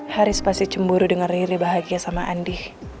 haris pasti cemburu dengan riri bahagia sama andi